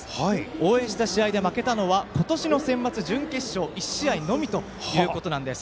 応援した試合で負けたのは今年のセンバツ準決勝の１試合のみということなんです。